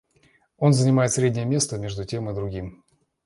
Он занимает среднее место между тем и другим.